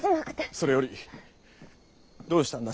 それよりどうしたんだ